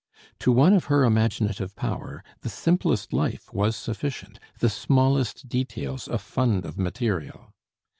To one of her imaginative power, the simplest life was sufficient, the smallest details a fund of material.